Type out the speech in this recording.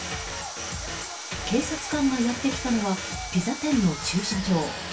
警察官がやってきたのはピザ店の駐車場。